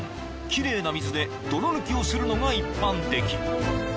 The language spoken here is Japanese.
奇麗な水で泥抜きをするのが一般的］